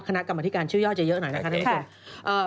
คณะกรรมอธิการชื่อย่อจะเยอะหน่อยนะครับ